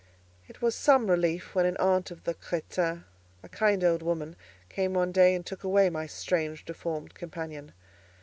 It was some relief when an aunt of the crétin, a kind old woman, came one day, and took away my strange, deformed companion.